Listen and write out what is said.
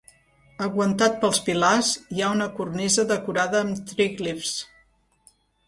Aguantat pels pilars hi ha una cornisa decorada amb tríglifs.